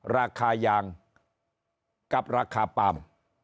ราคายางกับราคาปาล์ม